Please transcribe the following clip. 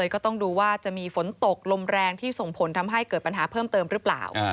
ก็ต้องดูว่าจะมีฝนตกลมแรงที่ส่งผลทำให้เกิดปัญหาเพิ่มเติมหรือเปล่า